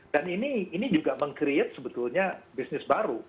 dan ini juga meng create sebetulnya bisnis baru